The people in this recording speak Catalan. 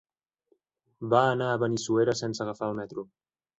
Va anar a Benissuera sense agafar el metro.